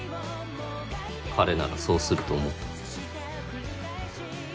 彼ならそうすると思った。